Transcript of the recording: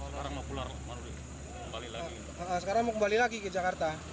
sekarang mau kembali lagi ke jakarta